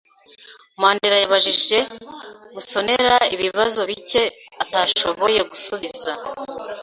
Mandera yabajije Musonera ibibazo bike atashoboye gusubiza.